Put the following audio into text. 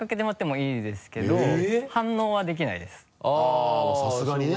あっさすがにね